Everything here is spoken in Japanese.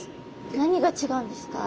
何が違うんですか？